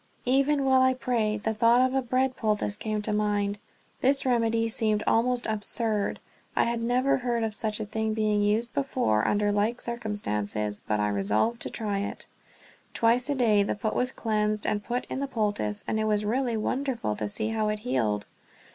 Even while I prayed the thought of a bread poultice came to mind. This remedy seemed almost absurd. I had never heard of such a thing being used before under like circumstances, but I resolved to try it. Twice a day the foot was cleansed and put in the poultice, and it was really wonderful to see how it healed.